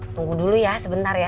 tunggu dulu ya sebentar ya